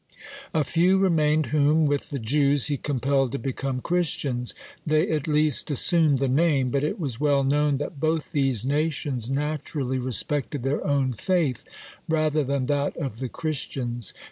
A few remained, whom, with the Jews, he compelled to become Christians: they at least assumed the name; but it was well known that both these nations naturally respected their own faith, rather than that of the Christians.